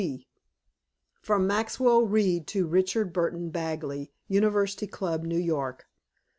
T. FROM MAXWELL REED TO RICHARD BURTON BAGLEY, UNIVERSITY CLUB, NEW YORK.